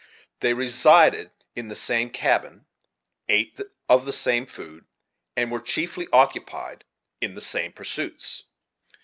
They resided in the same cabin, ate of the same food, and were chiefly occupied in the same pursuits.